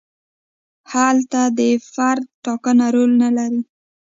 هلته د فرد ټاکنه رول نه لري.